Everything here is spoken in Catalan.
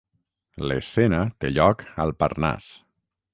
L'escena té lloc al Parnàs.